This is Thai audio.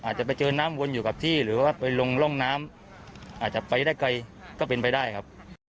อาจจะไปเจอน้ำวนอยู่กับที่หรือว่าไปลงร่องน้ำอาจจะไปได้ไกลก็เป็นไปได้ครับ